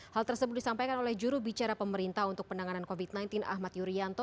hal tersebut disampaikan oleh jurubicara pemerintah untuk penanganan covid sembilan belas ahmad yuryanto